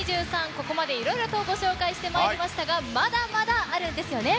ここまで、いろいろとご紹介してまいりましたがまだまだあるんですよね。